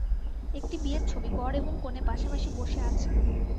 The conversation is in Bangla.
একটি বিয়ের ছবি-বর এবং কনে পাশাপাশি বসে আছে।